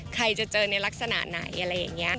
ใครจะเจอในลักษณะไหนอะไรอย่างนี้